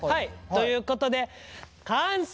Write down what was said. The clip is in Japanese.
ということで完成！